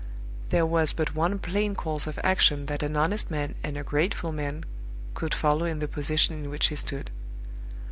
There was but one plain course of action that an honest man and a grateful man could follow in the position in which he stood.